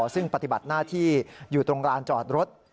ซึ่งปฏิบัติหน้าที่อยู่ตรงร้านจอดรถ